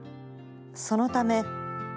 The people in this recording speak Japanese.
そのため。